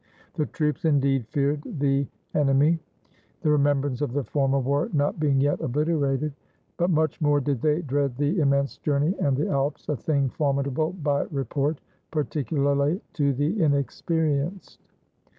The troops indeed feared the enemy, the remembrance of the former war not being yet obliterated; but much more did they dread the im mense journey and the Alps, a thing formidable by re port, particularly to the inexperienced.